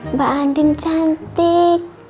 mbak andin cantik